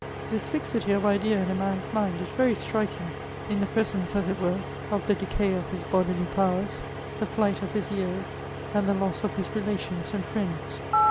This fixity of idea in a man's mind is very striking, in the presence, as it were, of the decay of his bodily powers, the flight of his years, and the loss of his relations and friends.